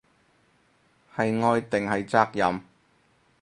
係愛定係責任